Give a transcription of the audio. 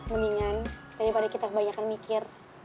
mendingan daripada kita kebanyakan mikir